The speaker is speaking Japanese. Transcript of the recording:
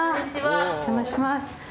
お邪魔します。